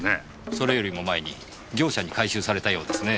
それよりも前に業者に回収されたようですね。